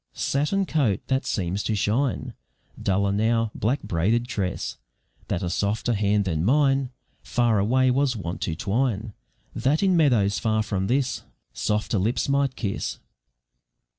Satin coat that seems to shine Duller now, black braided tress, That a softer hand than mine Far away was wont to twine, That in meadows far from this Softer lips might kiss.